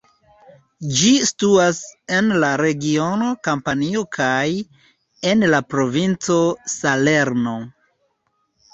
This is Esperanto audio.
Ĝi situas en la regiono Kampanio kaj en la provinco Salerno.